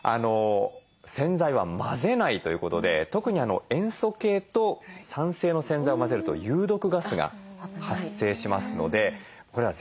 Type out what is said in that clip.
洗剤は混ぜないということで特に塩素系と酸性の洗剤を混ぜると有毒ガスが発生しますのでこれは絶対に混ぜない。